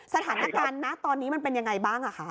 สถานการณ์นะตอนนี้มันเป็นยังไงบ้างคะ